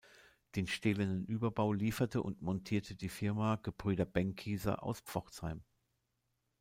Den stählernen Überbau lieferte und montierte die Firma Gebrüder Benckiser aus Pforzheim.